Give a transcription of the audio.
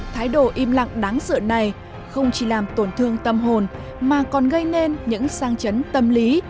thái độ im lặng đáng sợ này không chỉ làm tổn thương tâm hồn mà còn gây nên những sang chấn tâm lý